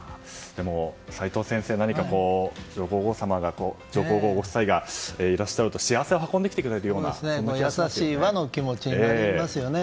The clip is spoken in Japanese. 齋藤先生、何か上皇ご夫妻がいらっしゃると幸せを運んできてくれるようなそんな気持ちになりますよね。